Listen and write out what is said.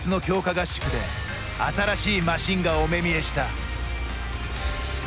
合宿で新しいマシーンがお目見えした。